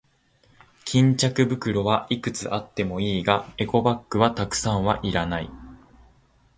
巾着袋はいくつあってもいいが、エコバッグはたくさんはいらない。